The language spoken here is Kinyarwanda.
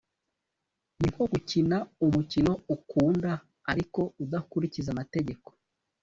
ni nko gukina umukino ukunda ariko udakurikiza amategeko